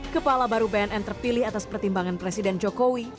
kepala baru bnn terpilih atas pertimbangan presiden jokowi